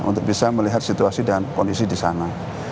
untuk bisa melihat situasi dan kondisi di sana